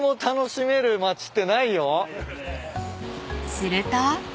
［すると］